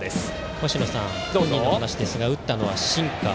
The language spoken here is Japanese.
星野さん、本人の話ですが打ったのはシンカー。